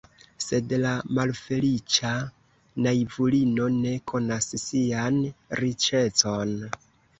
Sed la malfeliĉa naivulino ne konas sian riĉecon.